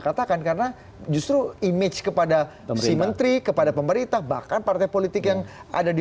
katakan karena justru image kepada si menteri kepada pemerintah bahkan partai politik yang ada di